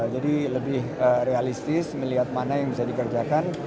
jadi lebih realistis melihat mana yang bisa dikerjakan